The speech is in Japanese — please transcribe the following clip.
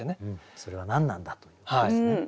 それは何なんだということですよね。